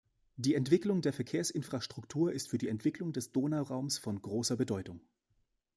Die Entwicklung der Verkehrsinfrastruktur ist für die Entwicklung des Donauraums von großer Bedeutung.